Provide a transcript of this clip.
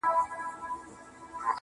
ځکه چي ماته يې زړگی ويلی.